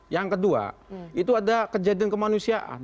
yang kedua itu ada kejadian kemanusiaan